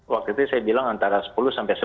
waktu itu saya bilang antara sepuluh sampai sepuluh